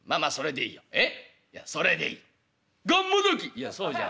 「いやそうじゃない。